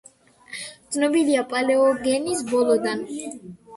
ცნობილია პალეოგენის ბოლოდან.